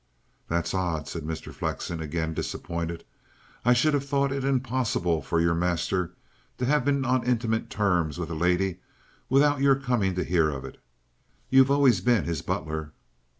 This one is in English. "That's odd," said Mr. Flexen, again disappointed. "I should have thought it impossible for your master to have been on intimate terms with a lady without your coming to hear of it. You've always been his butler."